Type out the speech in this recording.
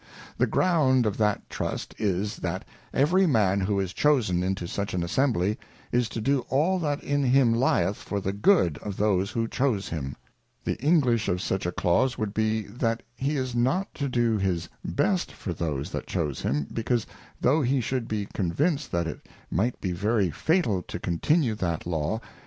The ground of that Trust is, that every Man who is chosen into such an Assembly, is to do all that in him lieth for the good of those who chose him : The English of such a Clause would be, that he is not to do his best for those that chose him, because though he should be convinc'd that it might be very fatal to continue that Law, and The Anatomy of an Equivalent.